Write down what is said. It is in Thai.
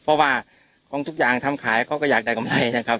เพราะว่าของทุกอย่างทำขายเขาก็อยากได้กำไรนะครับ